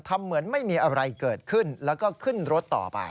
เหมือนไม่มีอะไรเกิดขึ้นแล้วก็ขึ้นรถต่อไป